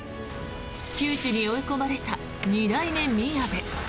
窮地に追い込まれた二代目みやべ。